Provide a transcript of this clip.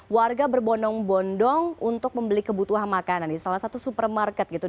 warga berbondong bondong untuk membeli kebutuhan makanan di salah satu supermarket gitu